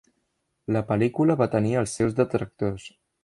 La pel·lícula va tenir els seus detractors.